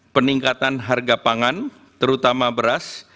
peningkatan harga pangan terutama beras